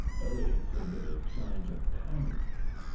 Billy exhibited signs of a panic.